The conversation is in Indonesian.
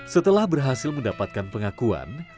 setelah berhasil mendapatkan pengakuan